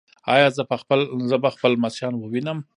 ایا زه به خپل لمسیان ووینم؟